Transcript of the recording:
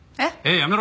やめろ！